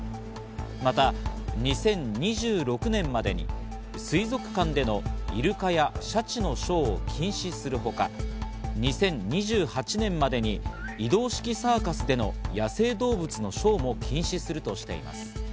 また、２０２６年までに水族館でのイルカやシャチのショーを禁止するほか、２０２８年までに移動式サーカスでの野生動物のショーも禁止するとしています。